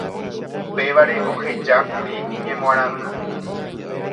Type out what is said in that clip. upévare ohejákuri iñemoarandu